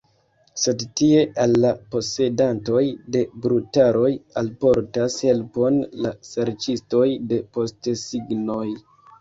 Sed tie al la posedantoj de brutaroj alportas helpon la serĉistoj de postesignoj.